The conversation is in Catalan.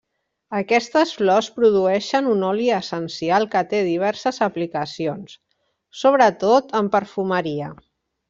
Aquestes flors produeixen un oli essencial que té diverses aplicacions, sobretot en perfumeria.